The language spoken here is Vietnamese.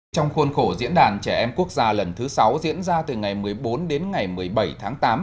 trong khuôn khổ diễn đàn trẻ em quốc gia lần thứ sáu diễn ra từ ngày một mươi bốn đến ngày một mươi bảy tháng tám